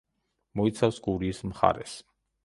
მოიცავს გურიის მხარეს.